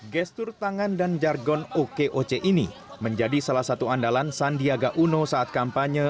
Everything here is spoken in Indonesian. gestur tangan dan jargon okoc ini menjadi salah satu andalan sandiaga uno saat kampanye